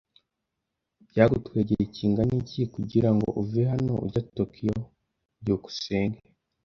Byagutwaye igihe kingana iki kugirango uve hano ujya Tokiyo? byukusenge